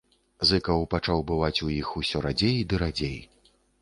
Зыкаў пачаў бываць у іх усё радзей ды радзей.